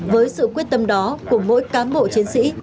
với sự quyết tâm đó của mỗi cán bộ chiến sĩ